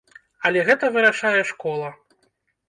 Але гэта вырашае школа.